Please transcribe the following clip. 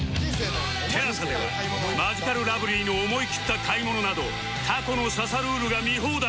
ＴＥＬＡＳＡ ではマヂカルラブリーの思い切った買い物など過去の『刺さルール』が見放題。